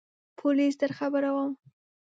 پولیس درخبروم !